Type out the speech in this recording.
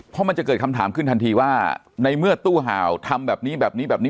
เพราะมันจะเกิดคำถามขึ้นทันทีว่าในเมื่อตู้ห่าวทำแบบนี้แบบนี้แบบนี้แบบนี้